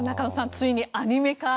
ついにアニメ化。